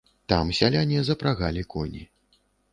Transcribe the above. Там сяляне запрагалі коні.